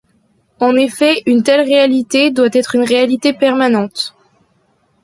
En effet, une telle réalité doit être une réalité permanente, i.e.